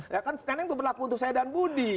ya kan scanning itu berlaku untuk saya dan budi